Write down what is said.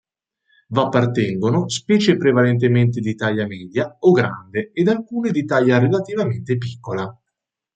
V'appartengono specie prevalentemente di taglia media o grande ed alcune di taglia relativamente piccola.